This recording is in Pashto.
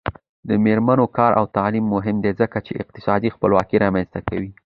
د میرمنو کار او تعلیم مهم دی ځکه چې اقتصادي خپلواکي رامنځته کوي.